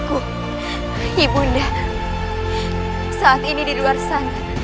kau tidak akan perminta saya